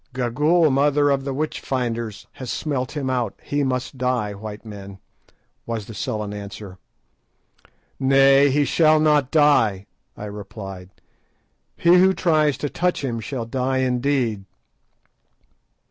"Gagool, mother of the witch finders, has smelt him out; he must die, white men," was the sullen answer. "Nay, he shall not die," I replied; "he who tries to touch him shall die indeed."